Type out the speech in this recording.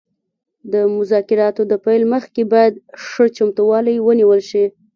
د مذاکراتو د پیل مخکې باید ښه چمتووالی ونیول شي